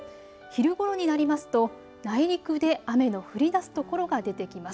昼ごろになりますと内陸で雨の降り出すところが出てきます。